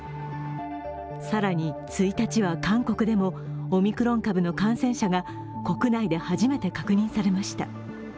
更に１日は韓国でもオミクロン株の感染者が国内で初めて確認されました。